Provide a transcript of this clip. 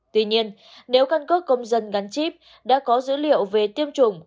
tuy nhiên nếu căn cước công dân gắn chip đã có dữ liệu về tiêm chủng